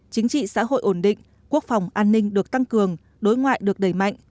chính trị xã hội ổn định quốc phòng an ninh được tăng cường đối ngoại được đẩy mạnh